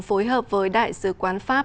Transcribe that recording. phối hợp với đại sứ quán pháp